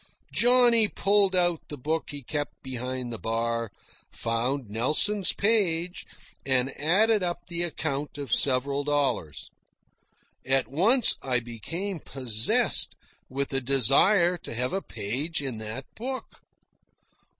Johnny pulled out the book he kept behind the bar, found Nelson's page, and added up the account of several dollars. At once I became possessed with a desire to have a page in that book.